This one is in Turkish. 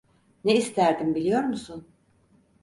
Ne isterdim biliyor musun?